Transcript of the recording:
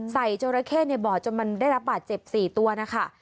จราเข้ในบ่อจนมันได้รับบาดเจ็บ๔ตัวนะคะ